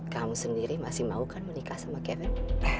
kamu sendiri masih mau kan menikah sama kevin